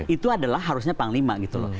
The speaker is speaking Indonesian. itu adalah harusnya panglima gitu loh